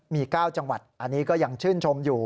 มี๙จังหวัดอันนี้ก็ยังชื่นชมอยู่